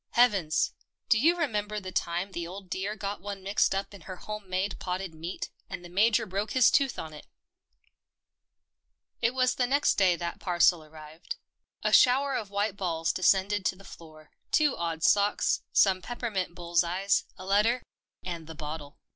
Hea vens! do you remember the time the old dear got one mixed up in her home made 154 THE PEPNOTISED MILK potted meat — and the Major broke his tooth on it." It was the next day that parcel arrived. A shower of white balls descended to the floor, two odd socks, some peppermint bull's eyes, a letter, and the bottle.